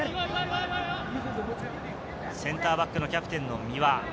センターバックのキャプテンの三輪。